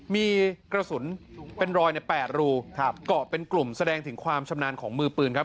มีกระสุนเป็นรอยใน๘รูเกาะเป็นกลุ่มแสดงถึงความชำนาญของมือปืนครับ